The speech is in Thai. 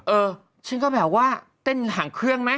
เออฉันก็แบบว่าเต้นหางเครื่องไหม